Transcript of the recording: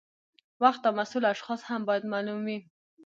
وخت او مسؤل اشخاص هم باید معلوم وي.